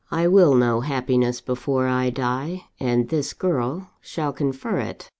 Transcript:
I will know happiness before I die; and this girl shall confer it.